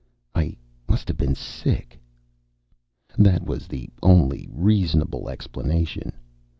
I must have been sick. That was the only reasonable explanation.